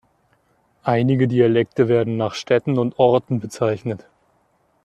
Einige Dialekte werden nach Städten und Orten bezeichnet.